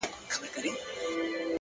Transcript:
سم به خو دوى راپسي مه ږغوه؛